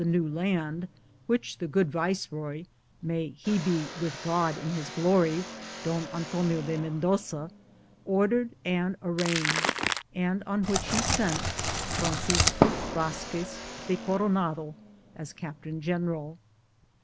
New Land, which the good viceroy — may he be with God in His glory '— Don Antonio de Mendoza, ordered and arranged, and on which he sent Francisco Vazquez de Corona do as captain general.